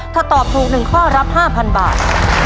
ถ้าตอบถูก๑ข้อรับ๕๐๐บาท